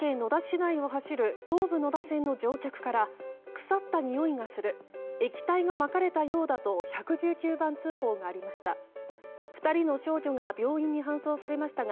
市内を走る東武野田線の乗客から腐ったにおいがする液体がまかれたようだと１１９番通報がありました。